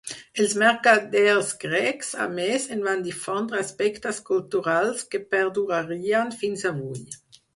Els mercaders grecs, a més, en van difondre aspectes culturals que perdurarien fins avui.